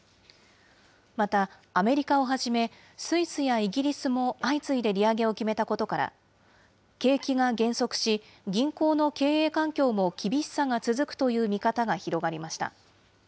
また、アメリカをはじめ、スイスやイギリスも相次いで利上げを決めたことから、景気が減速し、銀行の経営環境も厳しさが続くという見方が広がりました。